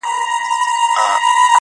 ستا سترگي دي.